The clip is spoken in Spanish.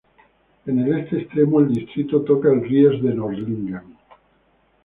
En el este extremo el distrito toca al Ries de Nördlingen.